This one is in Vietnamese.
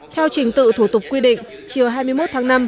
theo trình tự thủ tục quy định chiều hai mươi một tháng năm